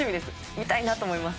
見たいなと思います。